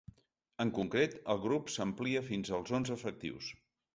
En concret, el grup s’àmplia fins als onze efectius.